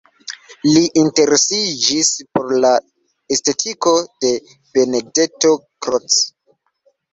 Li interesiĝis por la estetiko de Benedetto Croce.